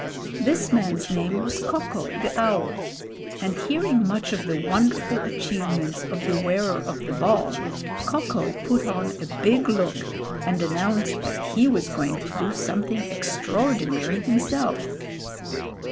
This man's name was Ko ko, the Owl; and hearing much of the wonderful achievements of the Wearer of the Ball, Ko ko put on a big look and announced that he was going to do something extraordinary himself.